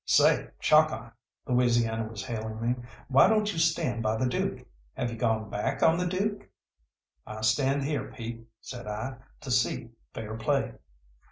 "Say, Chalkeye!" Louisiana was hailing me. "Why don't you stand by the Dook? Have you gone back on the Dook?" "I stand here, Pete," said I, "to see fair play."